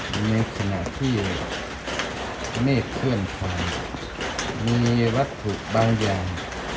ในขณะที่เมฆเคลื่อนความมีวัตถุบางอย่าง